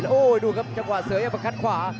โอ้โหดูครับจังหวะเสือยังประคัดขวา